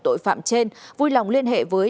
tội phạm trên vui lòng liên hệ với